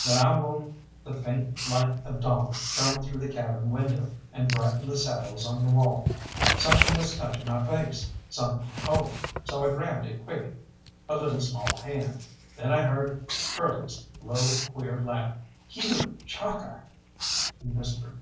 When I woke the faint light of dawn shone through the cabin window, and brightened the saddles on the wall. Something was touching my face, something cold, so I grabbed it quick a little small hand. Then I heard Curly's low, queer laugh. "You, Chalkeye!" he whispered.